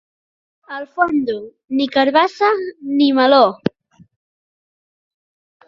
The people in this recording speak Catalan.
Al Fondó, ni carabassa ni meló.